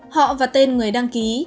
họ và tên người đăng ký